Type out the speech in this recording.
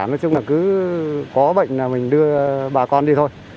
nói chung là cứ có bệnh là mình đưa bà con đi thôi